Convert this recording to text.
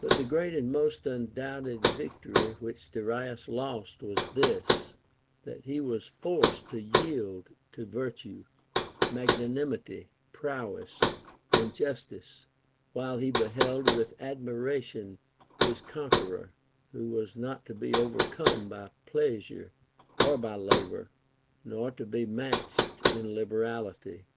But the great and most undoubted Λ'ictory which Darius lost was this, that he was forced to yield to virtue, magnanimity, prowess, and justice, while he beheld with admiration his conqueror, who was not to be overcome by pleasure or by labor, nor to be matched in liberality.